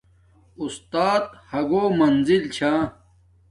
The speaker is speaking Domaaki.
اُستات ھوگو منزل چھا